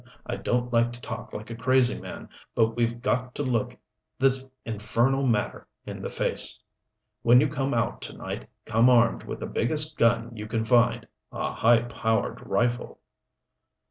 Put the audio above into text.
"I don't like to talk like a crazy man, but we've got to look this infernal matter in the face. When you come out to night come armed with the biggest gun you can find a high powered rifle."